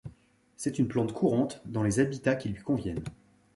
C'est une plante courante dans les habitats qui lui conviennent.